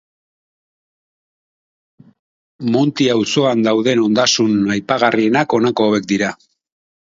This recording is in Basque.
Monti auzoan dauden ondasun aipagarrienak honako hauek dira.